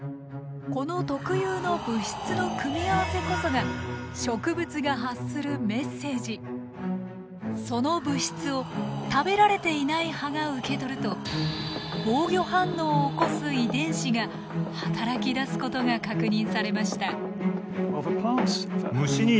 この特有の物質の組み合わせこそがその物質を食べられていない葉が受け取ると防御反応を起こす遺伝子が働きだすことが確認されました。